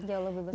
jauh lebih besar